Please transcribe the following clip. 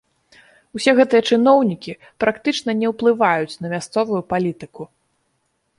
Усе гэтыя чыноўнікі практычна не ўплываюць на мясцовую палітыку.